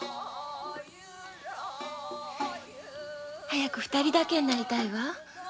早く二人だけになりたいわ。